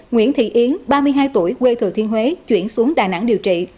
nguyễn thị yến ba mươi hai tuổi quê thừa thiên huế chuyển xuống đà nẵng điều trị